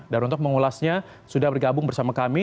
dan untuk mengulasnya sudah bergabung bersama kami